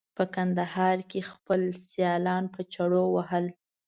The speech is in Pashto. په کندهار کې یې خپل سیالان په چړو وهل.